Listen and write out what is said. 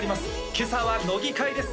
今朝は乃木回です